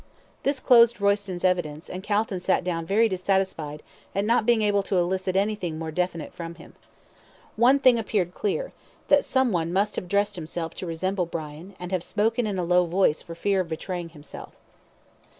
This closed Royston's evidence, and Calton sat down very dissatisfied at not being able to elicit anything more definite from him. One thing appeared clear, that someone must have dressed himself to resemble Brian, and have spoken in a low voice for fear of betraying himself.